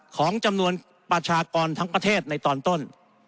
ของจำนวนประชากรทั้งประเทศในตอนต้น